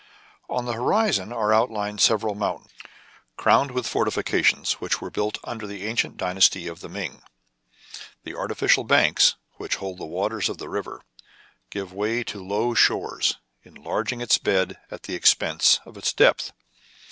On the horizon are outlined several mountains, crowned with fortifications which were built under the ancient dynasty of the Ming. The artificial banks, which hold the waters of the river, give way to low shores, enlarging its bed at the expense of its depth.